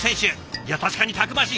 いや確かにたくましい。